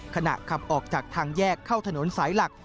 ขณะขับออกจากทางแยกเข้าถนนสายหลัก